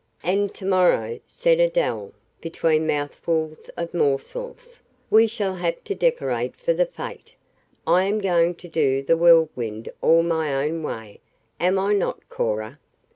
"And to morrow," said Adele, between mouthfuls of morsels, "we shall have to decorate for the fete. I am going to do the Whirlwind all my own way, am I not, Cora?"